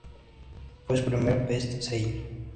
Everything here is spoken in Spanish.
Fue su primer best-seller.